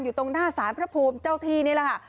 อยู่ตรงหน้าสารพระภูมิเจ้าที่นี่แหละค่ะ